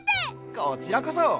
こちらこそ！